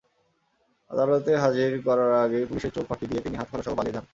আদালতে হাজির করার আগেই পুলিশের চোখ ফাঁকি দিয়ে তিনি হাতকড়াসহ পালিয়ে যান।